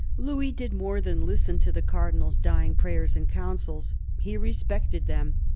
Louis did more than listen to the Cardinal's dying THE CARDINAL 293 prayers and counsels; he respected them.